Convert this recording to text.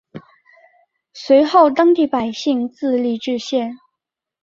随后当地百姓自立冶县。